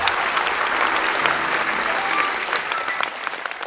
สวัสดีครับสวัสดีครับ